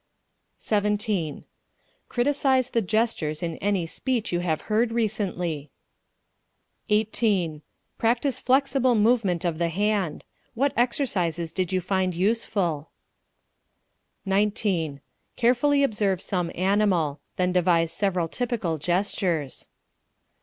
17. Criticise the gestures in any speech you have heard recently. 18. Practise flexible movement of the hand. What exercises did you find useful? 19. Carefully observe some animal; then devise several typical gestures.